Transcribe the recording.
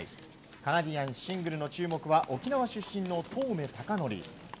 カナディアンシングルの注目は沖縄出身の當銘孝仁。